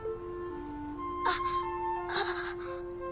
あっああ！